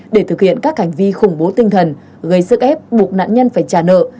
để thực hiện các hành vi khủng bố tinh thần gây sức ép buộc nạn nhân phải trả nợ